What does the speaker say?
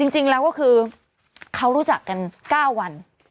จริงแล้วก็คือเขารู้จักกัน๙วัน